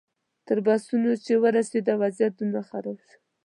تر بسونو چې ورسېدو وضعیت دومره خراب شو.